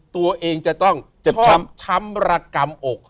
ตัวเองจะต้องช้อมช้ำระกรรมอก